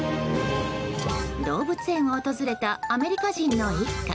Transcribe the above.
動物園を訪れたアメリカ人の一家。